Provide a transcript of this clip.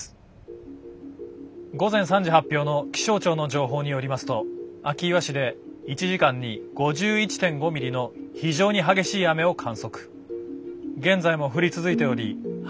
午前３時発表の気象庁の情報によりますと明岩市で１時間に５１．５ミリの非常に激しい雨を観測現在も降り続いており初